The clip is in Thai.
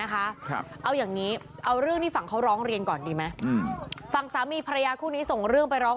เหนือหน้าอย่างรึง